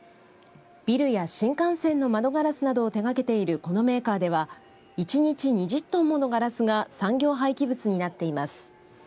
ビルや新幹線の窓ガラスなどを手がけているこのメーカーでは１日２０トンものガラスが産業廃棄物になっています。